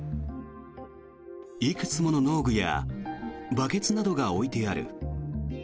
いくつもの農具やバケツなどが置いてある。